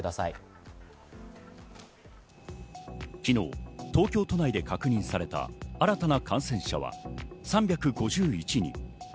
昨日、東京都内で確認された新たな感染者は３５１人。